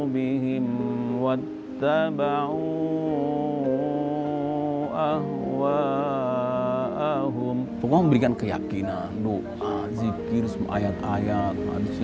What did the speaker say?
pokoknya memberikan keyakinan doa zikir semua ayat ayat